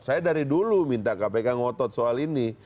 saya dari dulu minta kpk ngotot soal ini